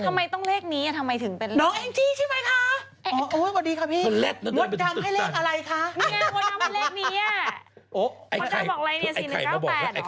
ทำไมต้องเลขนี้อ่ะทำไมถึงเป็นแลก